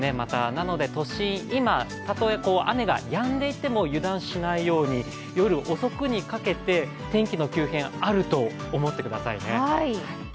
なので都心、今は雨がやんでいても油断しないように、夜遅くにかけて天気の急変あると思ってくださいね。